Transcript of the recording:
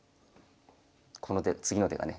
この手次の手がね。